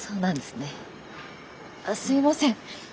すいません